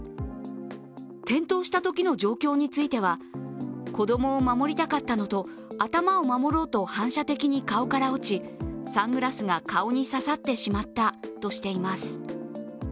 転倒したときの状況については子供を守りたかったのと頭を守ろうと反射的に顔から落ちサングラスが顔に刺さってしまったとしています。